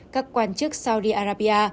các quan chức saudi arabia